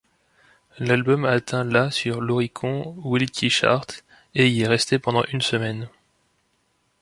L'album atteint la sur l'Oricon Weelky Charts, et y est resté pendant une semaine.